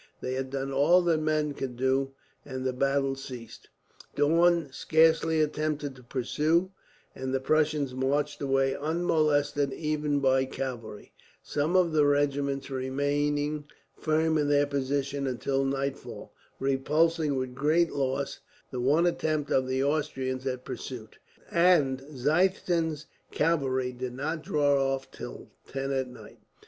They had done all that men could do, and the battle ceased. Daun scarcely attempted to pursue, and the Prussians marched away, unmolested even by cavalry; some of the regiments remaining firm in their position until nightfall, repulsing with great loss the one attempt of the Austrians at pursuit; and Ziethen's cavalry did not draw off until ten at night.